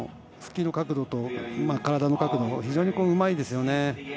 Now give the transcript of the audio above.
体の角度とスキーの角度が非常にうまいですよね。